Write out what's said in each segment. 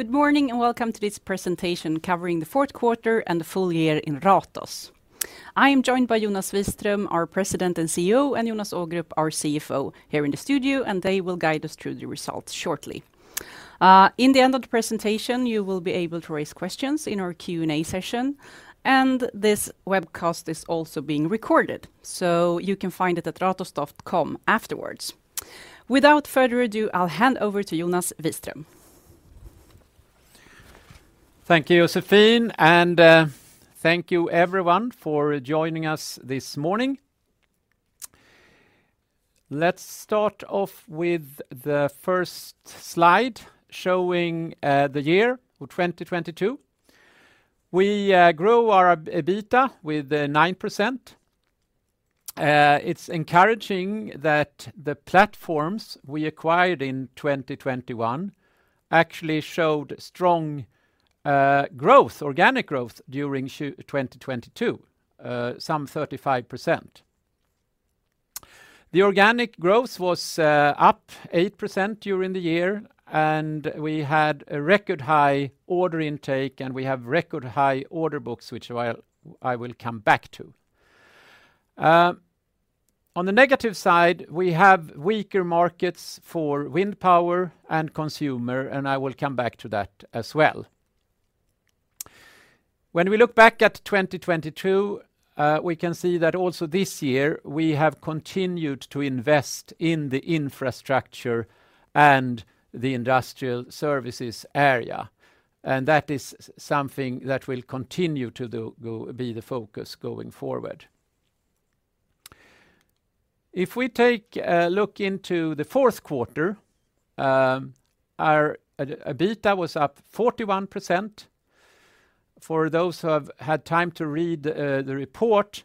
Good morning, and welcome to this presentation covering the fourth quarter and the full year in Ratos. I am joined by Jonas Wiström, our President and CEO, and Jonas Ågrup, our CFO here in the studio, and they will guide us through the results shortly. In the end of the presentation, you will be able to raise questions in our Q&A session, and this webcast is also being recorded, so you can find it at ratos.com afterwards. Without further ado, I'll hand over to Jonas Wiström. Thank you, Josefine. Thank you everyone for joining us this morning. Let's start off with the first slide showing the year, 2022. We grow our EBITDA with 9%. It's encouraging that the platforms we acquired in 2021 actually showed strong growth, organic growth during 2022, some 35%. The organic growth was up 8% during the year. We had a record high order intake. We have record high order books, which I will come back to. On the negative side, we have weaker markets for wind power and consumer. I will come back to that as well. When we look back at 2022, we can see that also this year, we have continued to invest in the infrastructure and the industrial services area, and that is something that will continue to be the focus going forward. If we take a look into the fourth quarter, our EBITDA was up 41%. For those who have had time to read the report,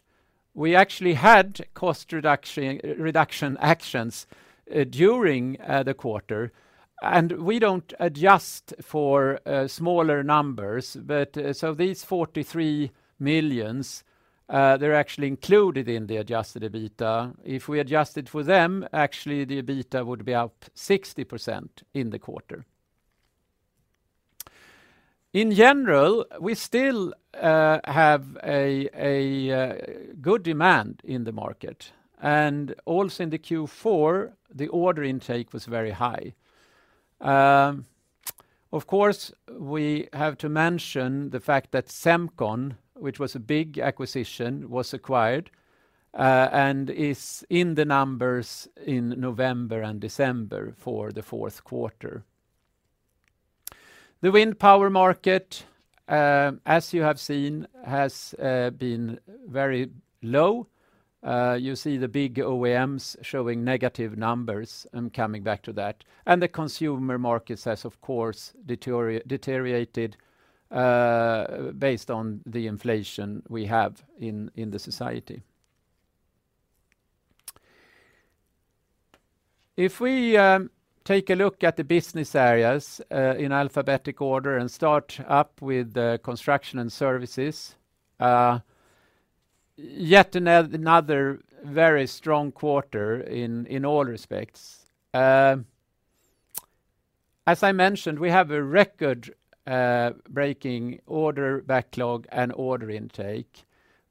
we actually had cost reduction actions during the quarter, and we don't adjust for smaller numbers, so these 43 million, they're actually included in the adjusted EBITDA. If we adjusted for them, actually, the EBITDA would be up 60% in the quarter. In general, we still have a good demand in the market. Also in the Q4, the order intake was very high. Of course, we have to mention the fact that Semcon, which was a big acquisition, was acquired and is in the numbers in November and December for the fourth quarter. The wind power market, as you have seen, has been very low. You see the big OEMs showing negative numbers. I'm coming back to that. The consumer market has, of course, deteriorated, based on the inflation we have in the society. If we take a look at the business areas in alphabetic order and start up with the Construction & Services, yet another very strong quarter in all respects. As I mentioned, we have a record breaking order backlog and order intake.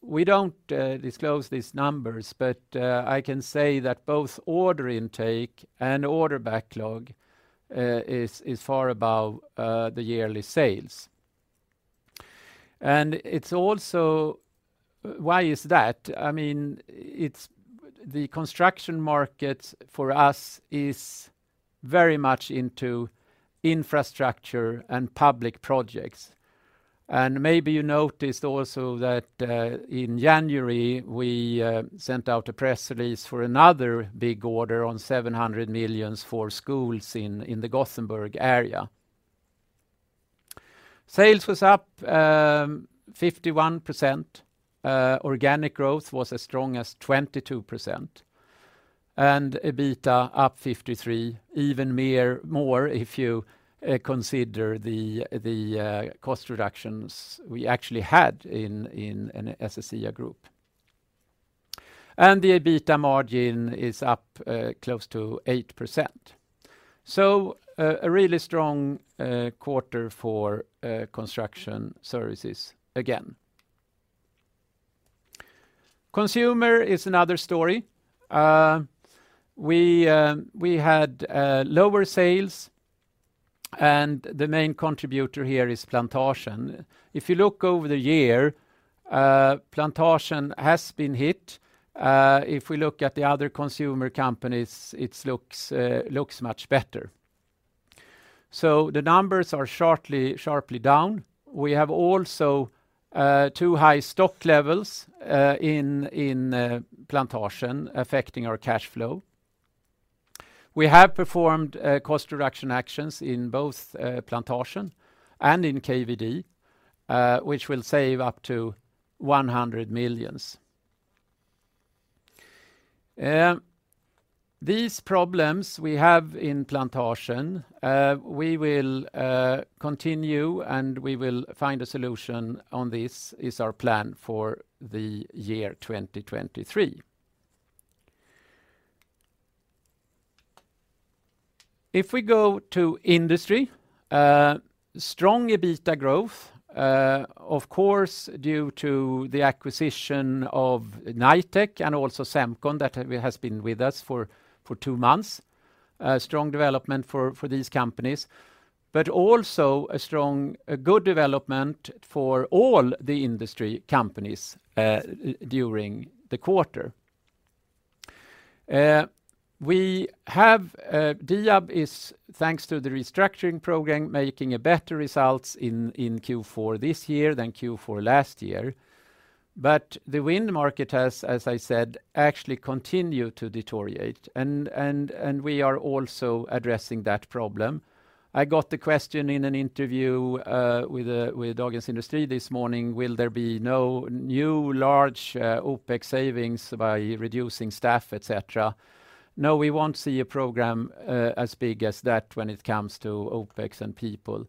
We don't disclose these numbers, but I can say that both order intake and order backlog is far above the yearly sales. Why is that? The Construction & Services market for us is very much into infrastructure and public projects. Maybe you noticed also that in January, we sent out a press release for another big order on 700 million for schools in the Gothenburg area. Sales was up 51%. Organic growth was as strong as 22%. EBITDA up 53%, even more if you consider the cost reductions we actually had in SSEA Group. The EBITDA margin is up close to 8%. A really strong quarter for Construction & Services again. Consumer is another story. We had lower sales, and the main contributor here is Plantasjen. If you look over the year, Plantasjen has been hit. If we look at the other consumer companies, it looks much better. The numbers are shortly, sharply down. We have also two high stock levels in Plantasjen affecting our cash flow. We have performed cost reduction actions in both Plantasjen and in KVD, which will save up to 100 million. These problems we have in Plantasjen, we will continue, and we will find a solution on this is our plan for the year 2023. If we go to industry, strong EBITDA growth, of course, due to the acquisition of Knightec and also Semcon that has been with us for two months. Strong development for these companies. Also a good development for all the Industry companies during the quarter. We have Diab is, thanks to the restructuring program, making a better results in Q4 this year than Q4 last year. The wind market has, as I said, actually continued to deteriorate, and we are also addressing that problem. I got the question in an interview with Dagens Industri this morning, will there be no new large OPEX savings by reducing staff, et cetera? No, we won't see a program as big as that when it comes to OPEX and people.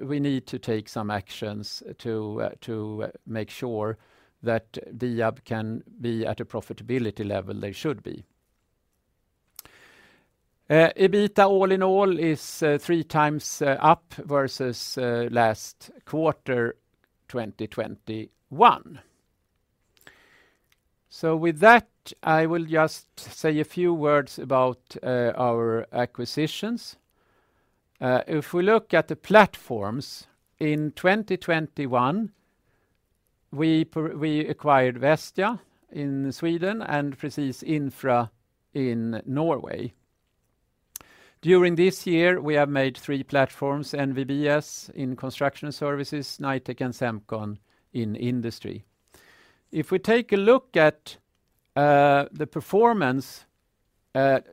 We need to take some actions to make sure that Diab can be at a profitability level they should be. EBITDA all in all is 3x up versus last quarter, 2021. With that, I will just say a few words about our acquisitions. If we look at the platforms, in 2021, we acquired Vestia in Sweden and Presis Infra in Norway. During this year, we have made three platforms, NVBS in Construction & Services, Knightec and Semcon in Industry. If we take a look at the performance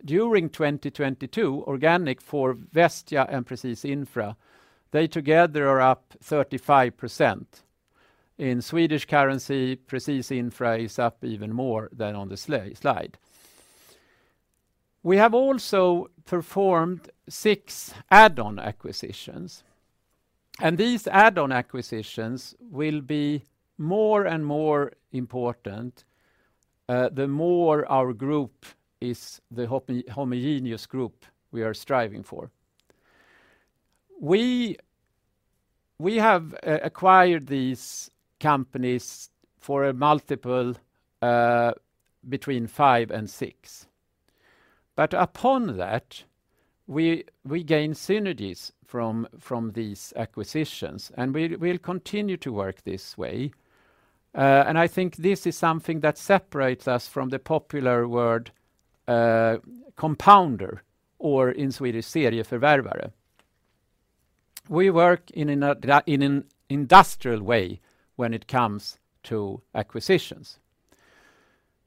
during 2022, organic for Vestia and Presis Infra, they together are up 35%. In Swedish currency, Presis Infra is up even more than on the slide. We have also performed 6 add-on acquisitions, these add-on acquisitions will be more and more important the more our group is the homogeneous group we are striving for. We have acquired these companies for a multiple between five and six Upon that, we gain synergies from these acquisitions, and we'll continue to work this way. I think this is something that separates us from the popular word, compounder, or in Swedish, serieförvärvare. We work in an industrial way when it comes to acquisitions.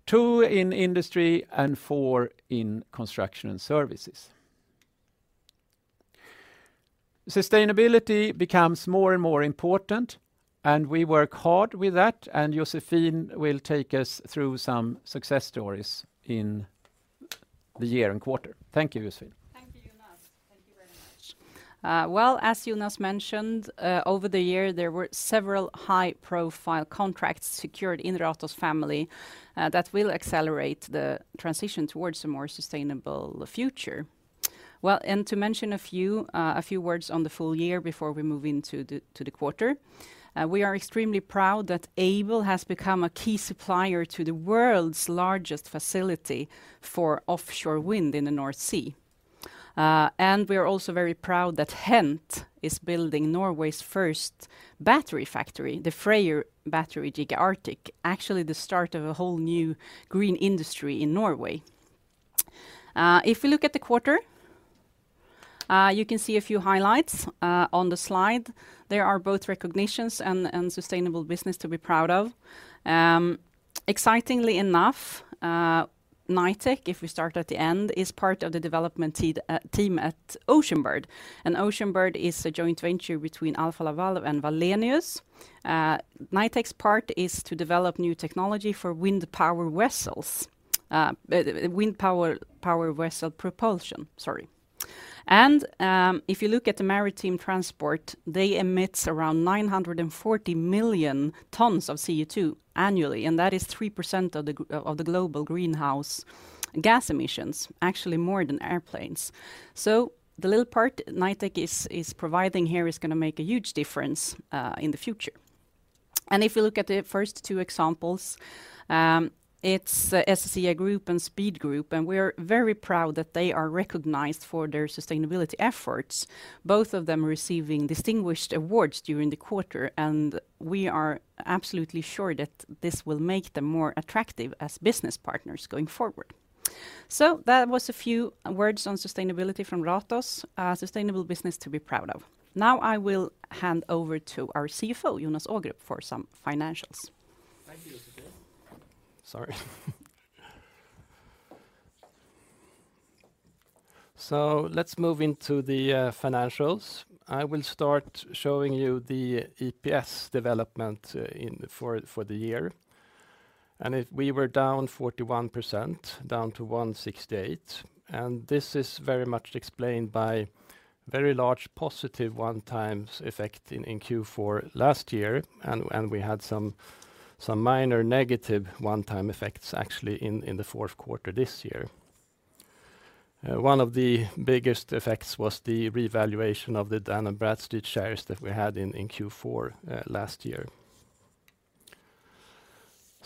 Two in Industry and four in Construction & Services. Sustainability becomes more and more important, and we work hard with that, and Josefine will take us through some success stories in the year and quarter. Thank you, Josefine. Thank you, Jonas. Thank you very much. Well, as Jonas mentioned, over the year, there were several high-profile contracts secured in the Ratos family that will accelerate the transition towards a more sustainable future. Well, to mention a few words on the full year before we move into the, to the quarter, we are extremely proud that Aibel has become a key supplier to the world's largest facility for offshore wind in the North Sea. We are also very proud that HENT is building Norway's first battery factory, the FREYR Battery Giga Arctic, actually the start of a whole new green industry in Norway. If we look at the quarter, you can see a few highlights on the slide. There are both recognitions and sustainable business to be proud of. Excitingly enough, Knightec, if we start at the end, is part of the development team at Oceanbird. Oceanbird is a joint venture between Alfa Laval and Wallenius. Knightec's part is to develop new technology for wind power vessels. Wind power vessel propulsion, sorry. If you look at the maritime transport, they emit around 940 million tons of CO2 annually, and that is 3% of the global greenhouse gas emissions, actually more than airplanes. The little part Knightec is providing here is gonna make a huge difference in the future. If you look at the first two examples, it's SSEA Group and Speed Group, and we're very proud that they are recognized for their sustainability efforts, both of them receiving distinguished awards during the quarter, and we are absolutely sure that this will make them more attractive as business partners going forward. That was a few words on sustainability from Ratos, sustainable business to be proud of. I will hand over to our CFO, Jonas Ågrup, for some financials. Thank you, Josefine. Sorry. Let's move into the financials. I will start showing you the EPS development for the year. If we were down 41%, down to 1.68, this is very much explained by very large positive one times effect in Q4 last year, and we had some Some minor negative one-time effects actually in the fourth quarter this year. One of the biggest effects was the revaluation of the Dun & Bradstreet shares that we had in Q4 last year.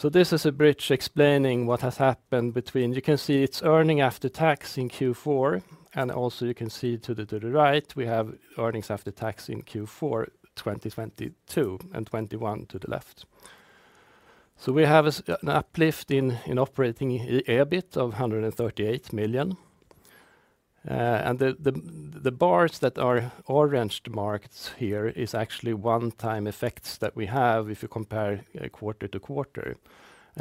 This is a bridge explaining what has happened between... You can see its earning after tax in Q4, and also you can see to the right, we have earnings after tax in Q4 2022, and 2021 to the left. We have an uplift in operating EBIT of 138 million. The bars that are orange marked here is actually one-time effects that we have if you compare, you know, quarter to quarter.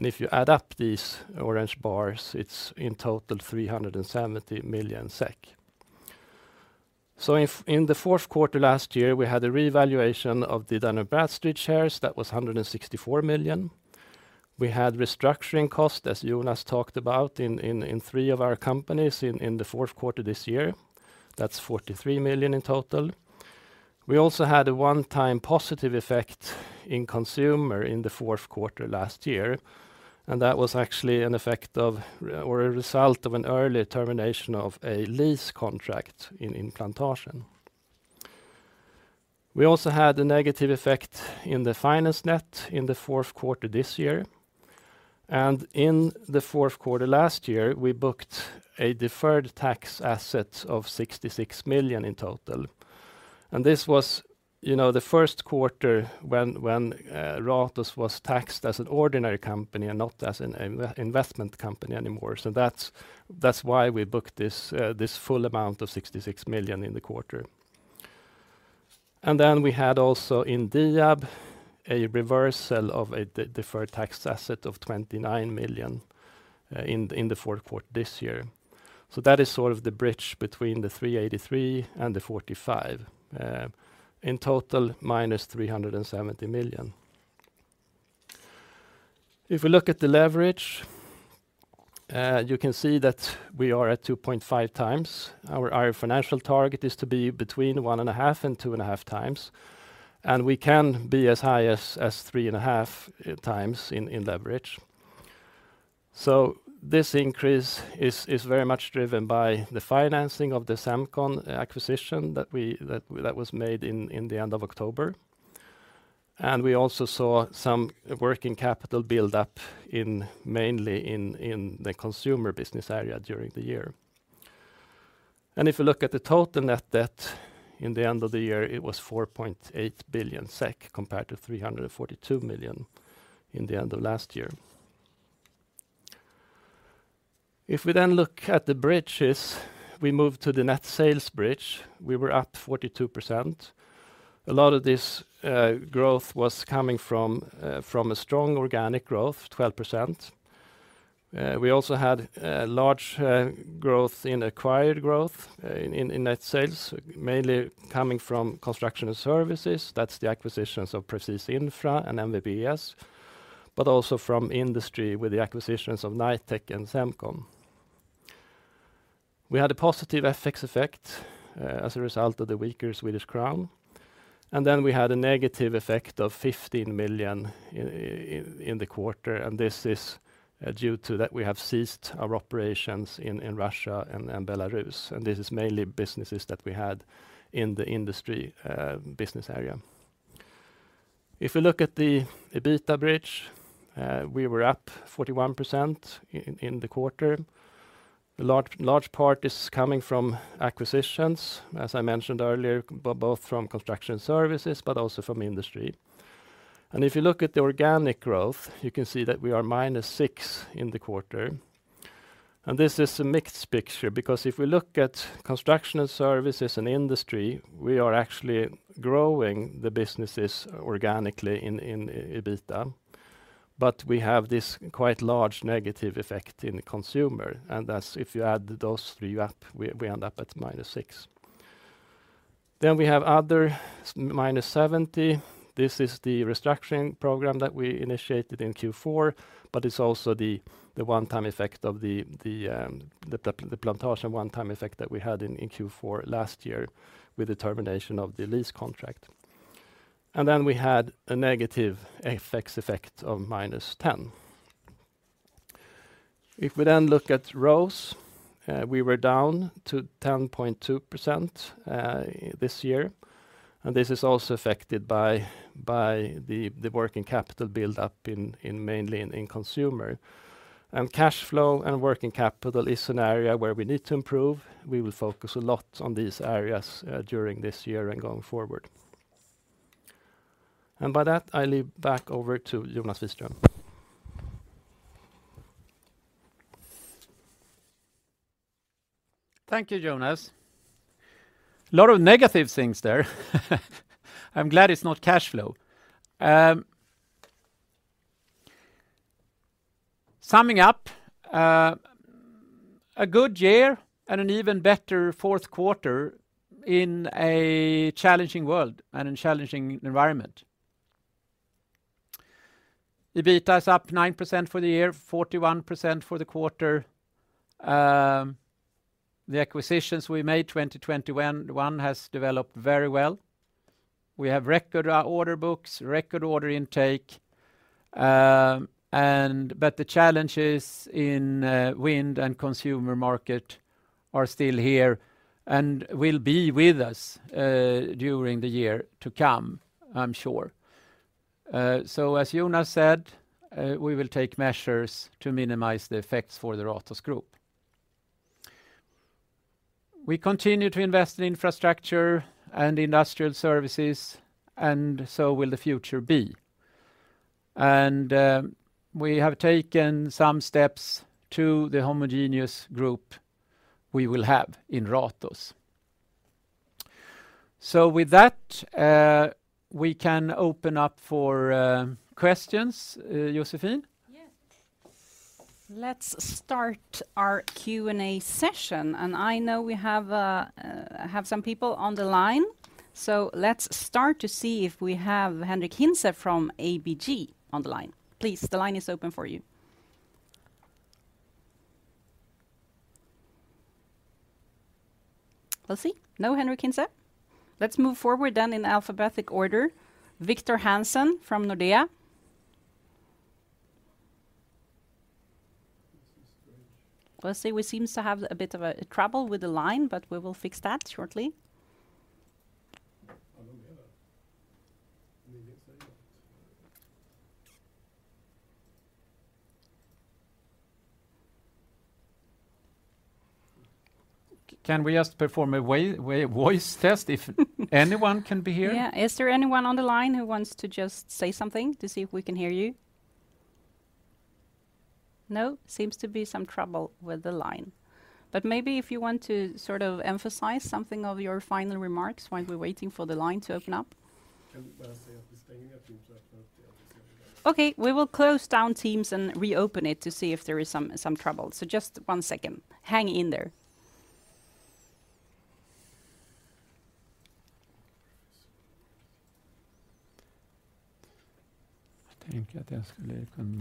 If you add up these orange bars, it's in total 370 million SEK. In the fourth quarter last year, we had a revaluation of the Dun & Bradstreet shares. That was 164 million. We had restructuring costs, as Jonas talked about, in three of our companies in the fourth quarter this year. That's 43 million in total. We also had a one-time positive effect in Consumer in the fourth quarter last year, and that was actually an effect or a result of an early termination of a lease contract in Plantasjen. We also had a negative effect in the finance net in the fourth quarter this year. In the fourth quarter last year, we booked a deferred tax asset of 66 million in total. This was, you know, the first quarter when Ratos was taxed as an ordinary company and not as an investment company anymore. That's why we booked this full amount of 66 million in the quarter. Then we had also in Diab a reversal of a deferred tax asset of 29 million in the fourth quarter this year. That is sort of the bridge between the 383 and the 45, in total minus 370 million. If we look at the leverage, you can see that we are at 2.5x. Our financial target is to be between 1.5x and 2.5x, and we can be as high as 3.5x in leverage. This increase is very much driven by the financing of the Semcon acquisition that was made in the end of October. We also saw some working capital build up in mainly in the Consumer business area during the year. If you look at the total net debt in the end of the year, it was 4.8 billion SEK compared to 342 million in the end of last year. If we look at the bridges, we move to the net sales bridge. We were up 42%. A lot of this growth was coming from a strong organic growth, 12%. We also had large growth in acquired growth in net sales, mainly coming from Construction & Services. That's the acquisitions of Presis Infra and NVBS, but also from Industry with the acquisitions of Knightec and Semcon. We had a positive FX effect as a result of the weaker Swedish crown. We had a negative effect of 15 million in the quarter. This is due to that we have ceased our operations in Russia and Belarus. This is mainly businesses that we had in the Industry business area. If we look at the EBITA bridge, we were up 41% in the quarter. Large part is coming from acquisitions, as I mentioned earlier, both from Construction & Services but also from Industry. If you look at the organic growth, you can see that we are -6% in the quarter. This is a mixed picture because if we look at Construction & Services and Industry, we are actually growing the businesses organically in EBITA, but we have this quite large negative effect in the Consumer. That's if you add those three up, we end up at -6. We have other -70. This is the restructuring program that we initiated in Q4, but it's also the one-time effect of the Plantasjen one-time effect that we had in Q4 last year with the termination of the lease contract. We had a negative FX effect of -10. If we look at rows, we were down to 10.2% this year. This is also affected by the working capital build up in mainly in Consumer. Cash flow and working capital is an area where we need to improve. We will focus a lot on these areas during this year and going forward. By that, I leave back over to Jonas Wiström. Thank you, Jonas. Lot of negative things there. I'm glad it's not cash flow. Summing up a good year and an even better fourth quarter in a challenging world and a challenging environment. EBITA is up 9% for the year, 41% for the quarter. The acquisitions we made 2021 has developed very well. We have record order books, record order intake, but the challenges in wind and Consumer market are still here and will be with us during the year to come, I'm sure. As Jonas said, we will take measures to minimize the effects for the Ratos group. We continue to invest in infrastructure and industrial services, and so will the future be. We have taken some steps to the homogeneous group we will have in Ratos. With that, we can open up for questions. Josefine? Yes. Let's start our Q&A session. I know we have some people on the line. Let's start to see if we have Henric Hintze from ABG on the line. Please, the line is open for you. We'll see. No Henric Hintze? Let's move forward in alphabetic order. Victor Hansen from Nordea. We'll see. We seems to have a bit of a trouble with the line. We will fix that shortly. Can we just perform a way, voice test if anyone can be heard? Yeah. Is there anyone on the line who wants to just say something to see if we can hear you? No? Seems to be some trouble with the line. Maybe if you want to sort of emphasize something of your final remarks while we're waiting for the line to open up. Okay. We will close down Teams and reopen it to see if there is some trouble. Just one second. Hang in there.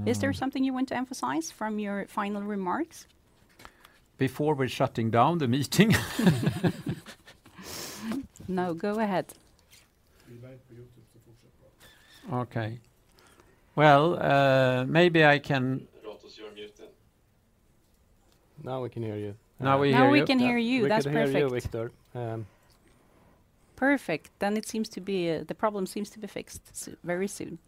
Is there something you want to emphasize from your final remarks? Before we're shutting down the meeting? No, go ahead. Okay. Well, maybe I. Ratos, you are muted. Now we can hear you. Now we hear you. Now we can hear you. That's perfect. We can hear you, Victor. Perfect. The problem seems to be fixed very soon.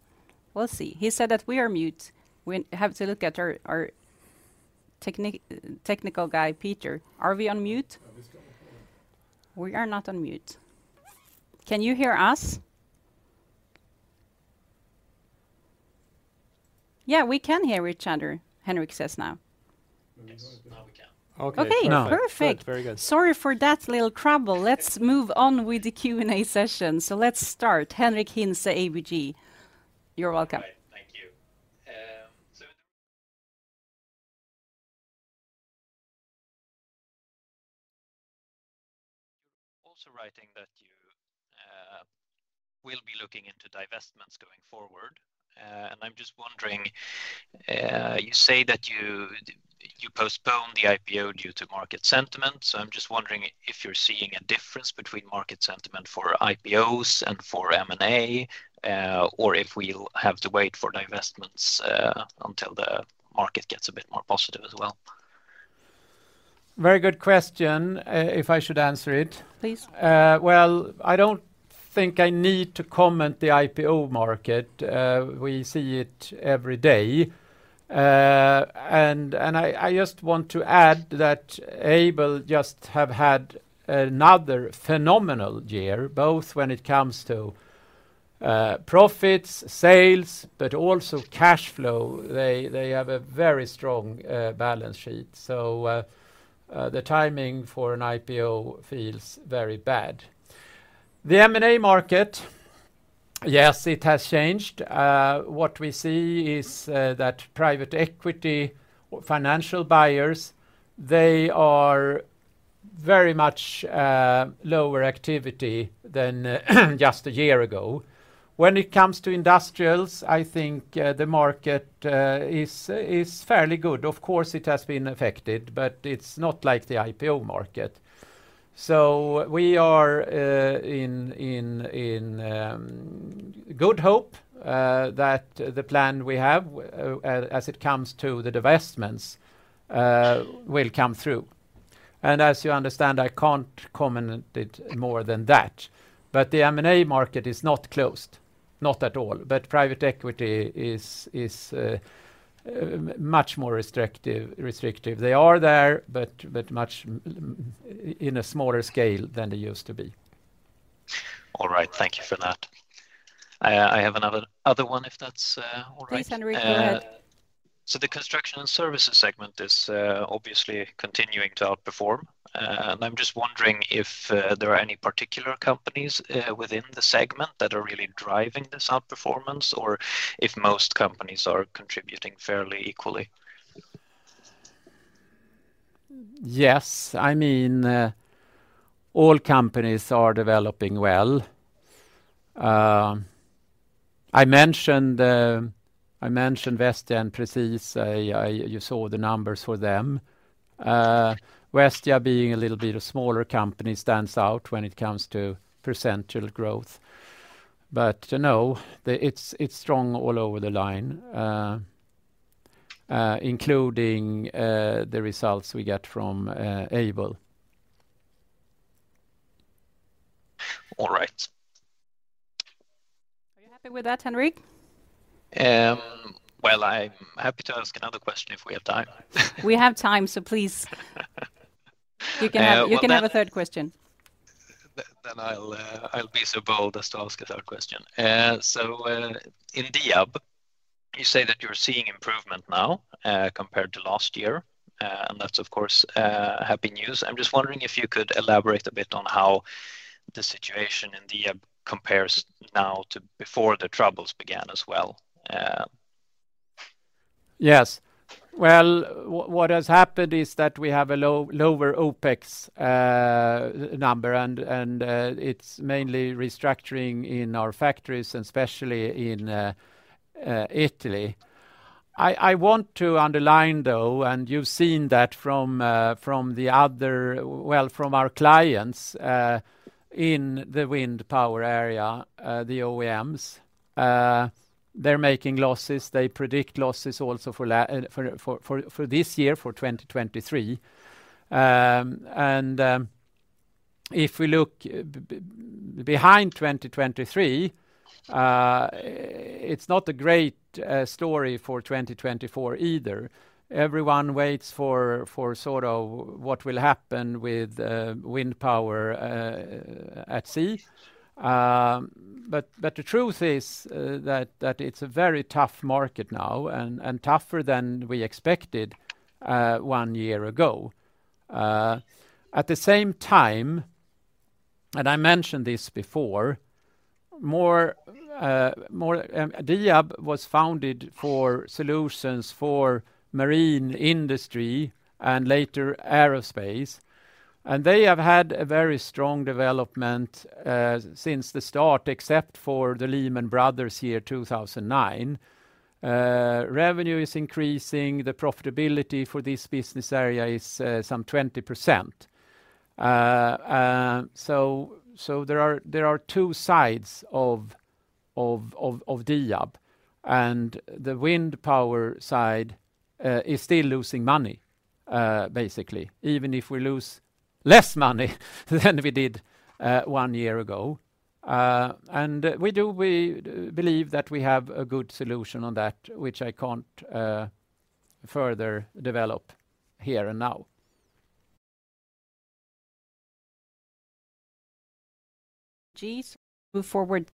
We'll see. He said that we are mute. We have to look at our technical guy, Peter. Are we on mute? We are not on mute. Can you hear us? Yeah, we can hear each other, Henric says now. Yes. Now we can. Okay, perfect. Okay. Now. Good. Very good. Sorry for that little trouble. Let's move on with the Q&A session. Let's start. Henric Hintze, ABG. You're welcome. Great. Thank you. In the... You're also writing that you will be looking into divestments going forward. I'm just wondering, you say that you postponed the IPO due to market sentiment, so I'm just wondering if you're seeing a difference between market sentiment for IPOs and for M&A, or if we'll have to wait for divestments until the market gets a bit more positive as well. Very good question, if I should answer it. Please. Well, I don't think I need to comment the IPO market. We see it every day. I just want to add that Aibel just have had another phenomenal year, both when it comes to profits, sales, but also cash flow. They have a very strong balance sheet. The timing for an IPO feels very bad. The M&A market, yes, it has changed. What we see is that private equity or financial buyers, they are very much lower activity than just a year ago. When it comes to industrials, I think the market is fairly good. Of course, it has been affected, but it's not like the IPO market. We are in good hope that the plan we have as it comes to the divestments will come through. As you understand, I can't comment it more than that. The M&A market is not closed, not at all. Private equity is much more restrictive. They are there, but much in a smaller scale than they used to be. All right. Thank you for that. I have another one, if that's all right. Please, Henric, go ahead. The Construction & Services segment is obviously continuing to outperform. I'm just wondering if there are any particular companies within the segment that are really driving this outperformance, or if most companies are contributing fairly equally? I mean, all companies are developing well. I mentioned, I mentioned Vestia and Presis Infra. You saw the numbers for them. Vestia being a little bit of smaller company stands out when it comes to percentage of growth. No, it's strong all over the line, including the results we get from Aibel All right. Are you happy with that, Henric? I'm happy to ask another question if we have time. We have time. Please. You can have a third question. Well, I'll be so bold as to ask a third question. In Diab, you say that you're seeing improvement now compared to last year, that's of course happy news. I'm just wondering if you could elaborate a bit on how the situation in Diab compares now to before the troubles began as well. Well, what has happened is that we have a lower OPEX number and it's mainly restructuring in our factories and especially in Italy. I want to underline though, you've seen that from the other. Well, from our clients in the wind power area, the OEMs, they're making losses. They predict losses also for this year, for 2023. If we look behind 2023, it's not a great story for 2024 either. Everyone waits for sort of what will happen with wind power at sea. The truth is that it's a very tough market now and tougher than we expected 1 year ago. At the same time, I mentioned this before, more Diab was founded for solutions for marine industry and later aerospace. They have had a very strong development since the start, except for the Lehman Brothers year 2009. Revenue is increasing. The profitability for this business area is some 20%. There are two sides of Diab. The wind power side is still losing money, basically, even if we lose less money than we did one year ago. We do, we believe that we have a good solution on that, which I can't further develop here and now. Gs move forward.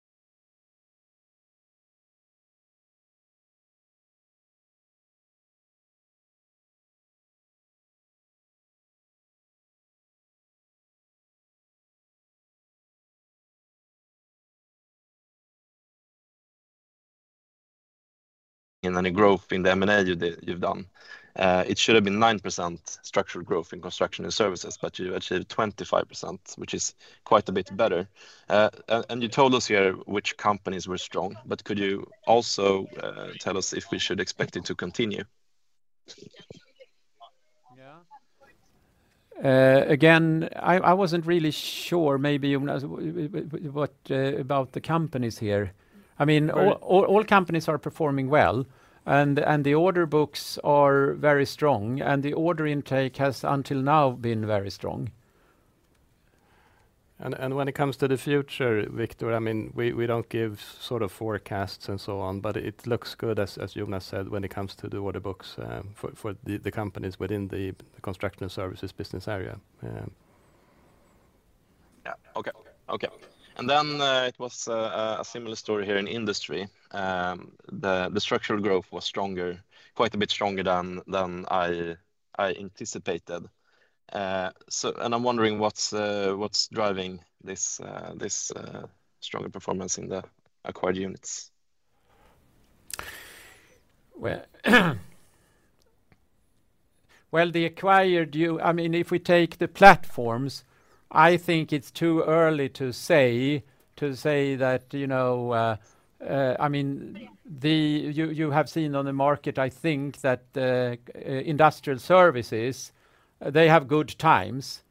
In any growth in the M&A you did, you've done, it should have been 9% structured growth in Construction & Services. You achieved 25%, which is quite a bit better. You told us here which companies were strong, but could you also, tell us if we should expect it to continue? Again, I wasn't really sure maybe, Jonas, what about the companies here. I mean, all companies are performing well, and the order books are very strong, and the order intake has until now been very strong. When it comes to the future, Victor, I mean, we don't give sort of forecasts and so on, but it looks good as Jonas said, when it comes to the order books, for the companies within the Construction & Services business area. Yeah. Okay. Okay. It was a similar story here in Industry. The structural growth was stronger, quite a bit stronger than I anticipated. I'm wondering what's driving this stronger performance in the acquired units? Well, well, the acquired I mean, if we take the platforms, I think it's too early to say that, you know, I mean, You have seen on the market, I think, that the industrial services, they have good times,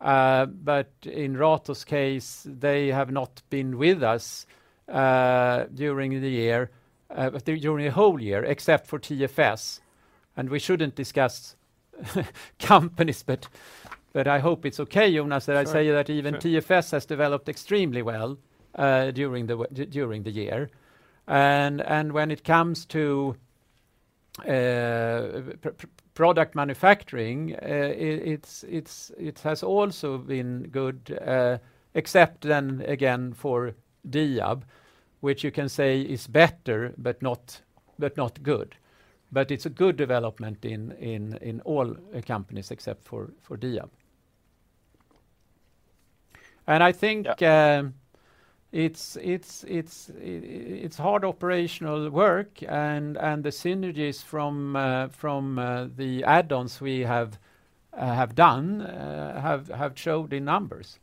but in Ratos case, they have not been with us during the year, during the whole year, except for TFS. We shouldn't discuss companies, but I hope it's okay, Jonas, that I say that even TFS has developed extremely well during the year. When it comes to product manufacturing, it has also been good, except then again for Diab, which you can say is better, but not good. It's a good development in all companies except for Diab. I think- it's hard operational work and the synergies from the add-ons we have done, have showed in numbers.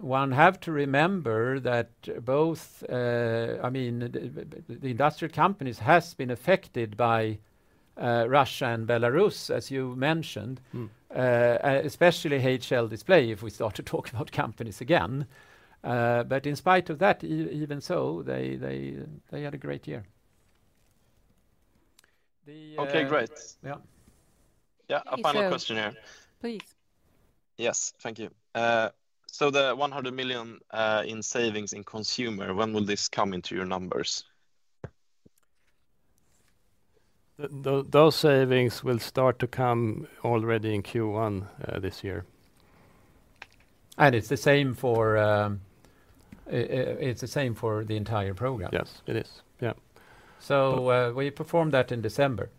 One have to remember that both, I mean, the industrial companies has been affected by Russia and Belarus, as you mentioned. Mm. Especially HL Display, if we start to talk about companies again. In spite of that, even so, they had a great year. Okay, great. Yeah. Yeah. A final question here. Please. Yes. Thank you. The 100 million in savings in Consumer, when will this come into your numbers? Those savings will start to come already in Q1 this year. It's the same for the entire program. Yes, it is. Yeah. We performed that in December.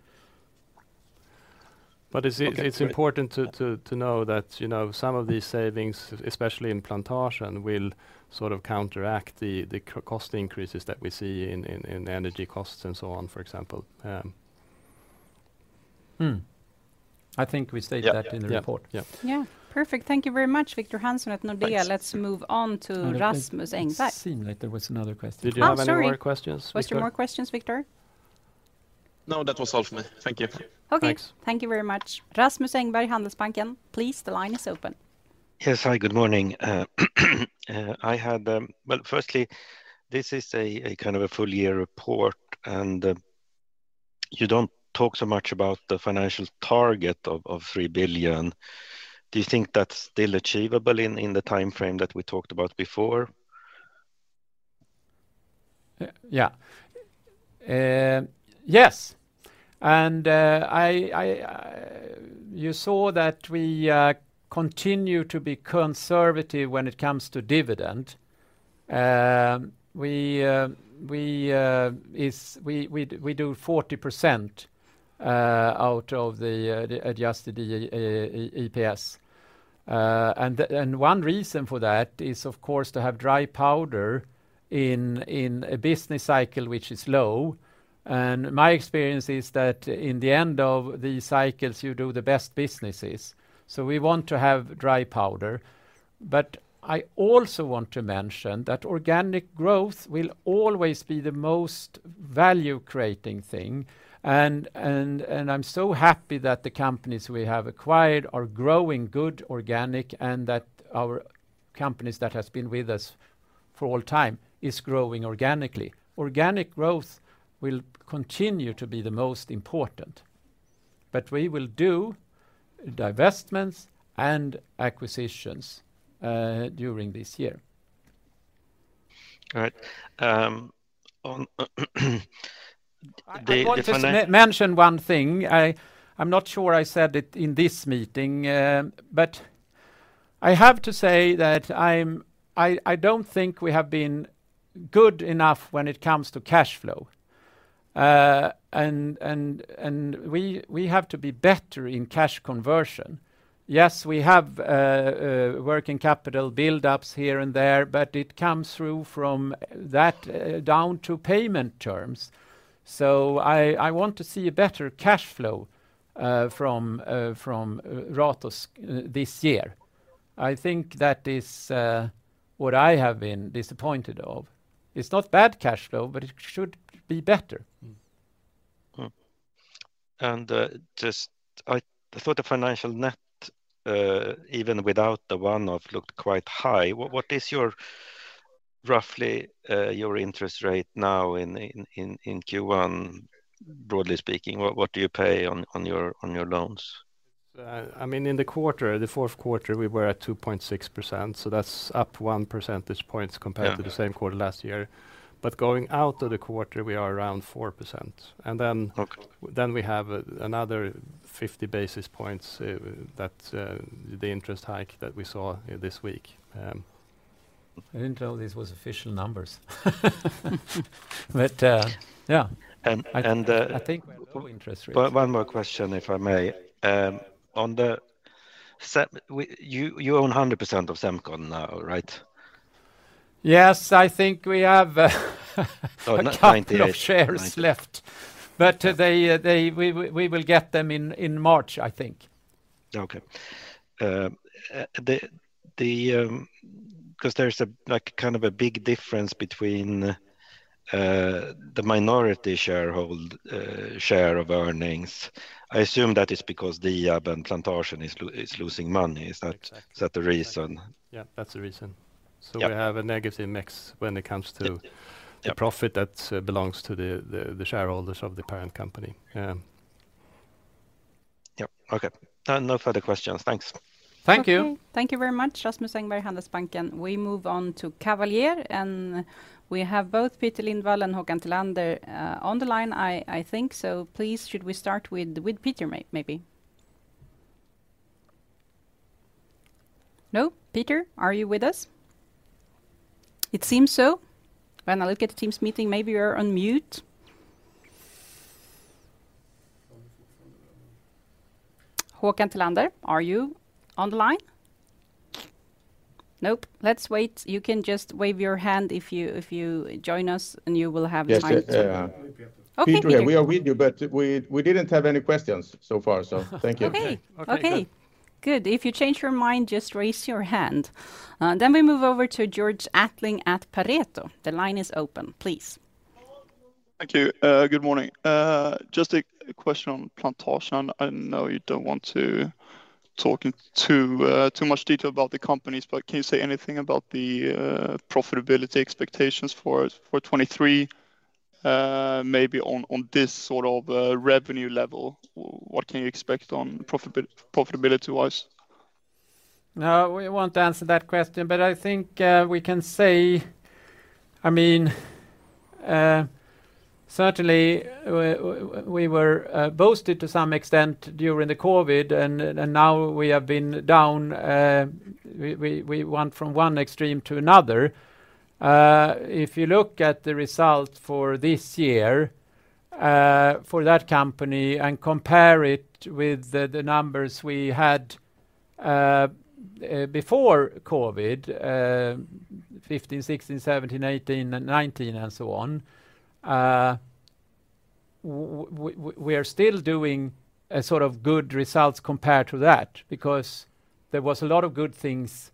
It's important to know that, you know, some of these savings, especially in Plantasjen, will sort of counteract the co-cost increases that we see in energy costs and so on, for example. I think we stated that in the report. Yeah. Yeah. Yeah. Perfect. Thank you very much, Victor Hansen at Nordea. Let's move on to Rasmus Engberg. It seemed like there was another question. Did you have any more questions, Victor? Oh, sorry. Was there more questions, Victor? No, that was all for me. Thank you. Okay. Thanks. Thank you very much. Rasmus Engberg, Handelsbanken, please. The line is open. Yes. Hi, good morning. Well, firstly, this is a kind of a full year report, you don't talk so much about the financial target of 3 billion. Do you think that's still achievable in the timeframe that we talked about before? Yes. You saw that we continue to be conservative when it comes to dividend. We do 40% out of the adjusted EPS. One reason for that is, of course, to have dry powder in a business cycle which is low. My experience is that in the end of these cycles, you do the best businesses. We want to have dry powder. I also want to mention that organic growth will always be the most value-creating thing. I'm so happy that the companies we have acquired are growing good organic and that our companies that has been with us for all time is growing organically. Organic growth will continue to be the most important, but we will do divestments and acquisitions, during this year. All right. I want just to mention one thing. I'm not sure I said it in this meeting. I have to say that I don't think we have been good enough when it comes to cash flow. We have to be better in cash conversion. Yes, we have working capital build-ups here and there, but it comes through from that down to payment terms. I want to see a better cash flow from Ratos this year. I think that is what I have been disappointed of. It's not bad cash flow, but it should be better. Just I thought the financial net, even without the one-off, looked quite high. What is your, roughly, your interest rate now in Q1, broadly speaking? What do you pay on your loans? I mean, in the quarter, the fourth quarter, we were at 2.6%. That's up 1 percentage point compared to the same quarter last year. Going out of the quarter, we are around 4%. Okay. We have another 50 basis points, that, the interest hike that we saw this week. I didn't know these was official numbers. Yeah. And, and, uh- I think we have low interest rates.... one more question, if I may. You own 100% of Semcon now, right? Yes. I think we have a couple of shares left. Oh, 98. 90. They, we will get them in March, I think. Okay. 'Cause there's a, like, kind of a big difference between the minority share of earnings. I assume that is because Diab and Plantasjen is losing money. Is that? Exactly. Is that the reason? Yeah, that's the reason. Yeah. We have a negative mix when it comes to the profit that belongs to the shareholders of the parent company. Yep. Okay. No further questions. Thanks. Thank you. Okay. Thank you very much, Rasmus Engberg, Handelsbanken. We move on to Kavaljer. We have both Peter Lindvall and Håkan Telander on the line, I think. Please, should we start with Peter maybe? No? Peter, are you with us? It seems so. When I look at the Teams meeting, maybe you're on mute. Håkan Telander, are you on the line? Nope. Let's wait. You can just wave your hand if you join us. You will have the mic- Yes, yeah. Okay. Peter here. We are with you, but we didn't have any questions so far, so thank you. Okay. Okay. Okay. Good. If you change your mind, just raise your hand. We move over to Georg Attling at Pareto. The line is open. Please. Thank you. Good morning. Just a question on Plantasjen. I know you don't want to talk in too much detail about the companies, but can you say anything about the profitability expectations for 2023, maybe on this sort of revenue level? What can you expect on profitability-wise? No, we won't answer that question, but I think, we can say, I mean, certainly we were boosted to some extent during the COVID and now we have been down, we went from one extreme to another. If you look at the result for this year, for that company and compare it with the numbers we had, before COVID, 2015, 2016, 2017, 2018, and 2019 and so on, we are still doing a sort of good results compared to that because there was a lot of good things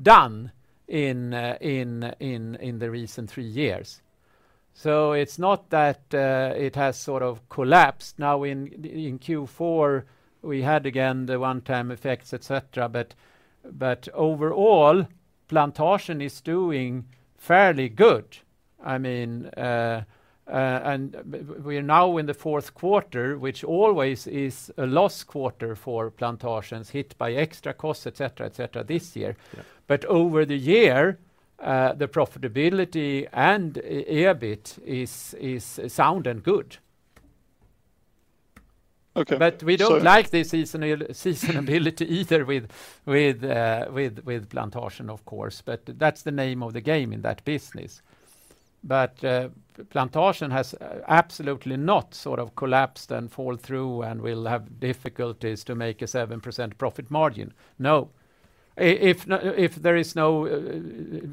done in the recent three years. It's not that, it has sort of collapsed. Now in Q4, we had again the one-time effects, et cetera. Overall, Plantasjen is doing fairly good. I mean, we're now in the fourth quarter, which always is a loss quarter for Plantasjen. It's hit by extra costs et cetera, this year. Yeah. Over the year, the profitability and EBIT is sound and good. Okay. We don't like the seasonal, seasonality either with Plantasjen of course, but that's the name of the game in that business. Plantasjen has absolutely not sort of collapsed and fall through and will have difficulties to make a 7% profit margin. No. If there is no...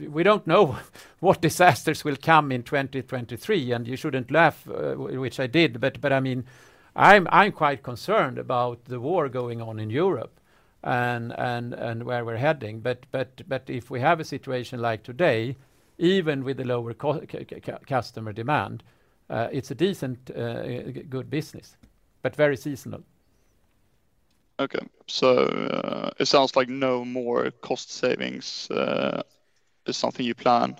We don't know what disasters will come in 2023, and you shouldn't laugh, which I did, but I mean, I'm quite concerned about the war going on in Europe and where we're heading. If we have a situation like today, even with the lower customer demand, it's a decent, good business, but very seasonal. It sounds like no more cost savings is something you plan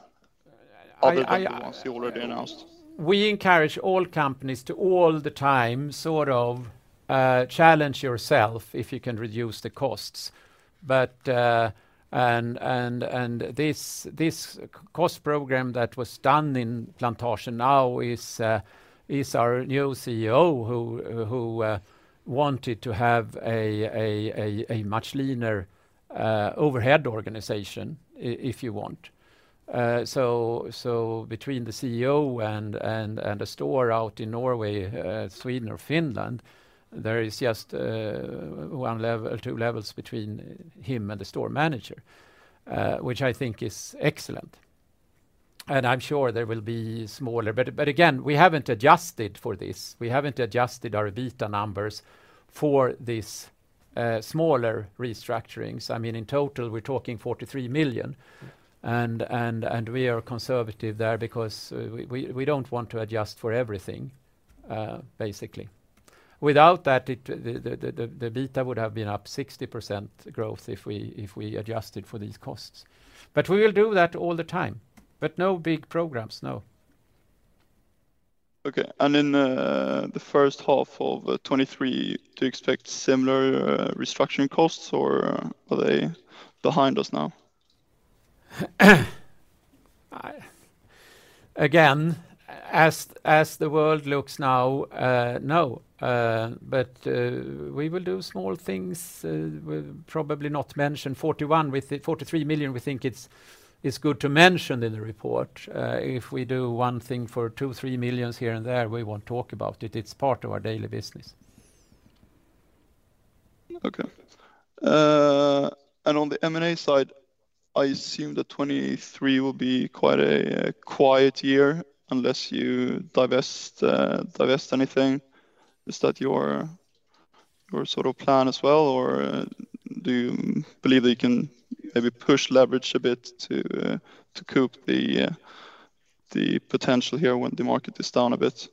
other than the ones you already announced. We encourage all companies to all the time challenge yourself if you can reduce the costs, but this cost program that was done in Plantasjen now is our new CEO who wanted to have a much leaner overhead organization if you want. Between the CEO and a store out in Norway, Sweden, or Finland, there is just one level, two levels between him and the store manager, which I think is excellent, and I'm sure there will be smaller. Again, we haven't adjusted for this. We haven't adjusted our EBITDA numbers for this smaller restructurings. I mean, in total, we're talking 43 million, and we are conservative there because we don't want to adjust for everything. Without that, the EBITDA would have been up 60% growth if we adjusted for these costs. We will do that all the time, but no big programs, no. Okay. In the first half of 2023, do you expect similar restructuring costs, or are they behind us now? Again, as the world looks now, no. We will do small things, we'll probably not mention. 41 with the 43 million, we think it's good to mention in the report. If we do one thing for 2 million-3 million here and there, we won't talk about it. It's part of our daily business. Okay. On the M&A side, I assume that 2023 will be quite a quiet year unless you divest anything. Is that your sort of plan as well, or do you believe that you can maybe push leverage a bit to cope the potential here when the market is down a bit?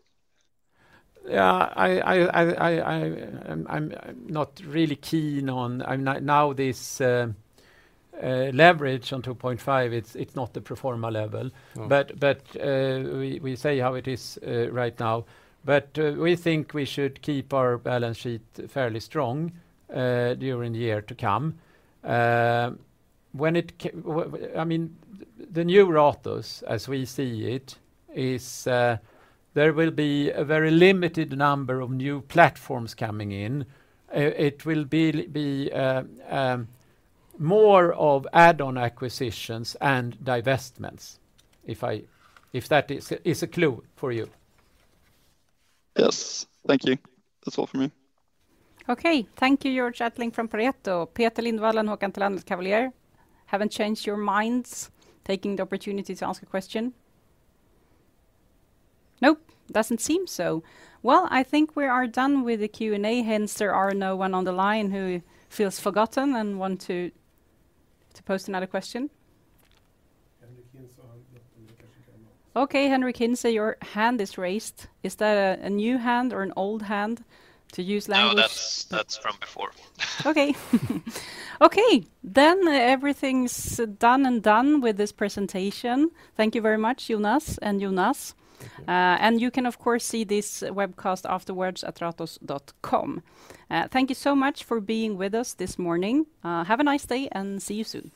Yeah, I'm not really keen on. I'm not. Now this leverage on 2.5, it's not the pro forma level. No. We say how it is right now. We think we should keep our balance sheet fairly strong during the year to come. I mean, the new Ratos as we see it is, there will be a very limited number of new platforms coming in. It will be more of add-on acquisitions and divestments if that is a clue for you. Yes. Thank you. That's all for me. Okay. Thank you, Georg Attling from Pareto. Peter Lindvall and Håkan Telander, Kavaljer, haven't changed your minds taking the opportunity to ask a question? Nope. Doesn't seem so. I think we are done with the Q&A hence there are no one on the line who feels forgotten and want to pose another question. Okay, Henric Hintze, your hand is raised. Is that a new hand or an old hand to use? No, that's from before. Okay. Okay. Everything's done and done with this presentation. Thank you very much, Jonas and Jonas. You can, of course, see this webcast afterwards at ratos.com. Thank you so much for being with us this morning. Have a nice day and see you soon.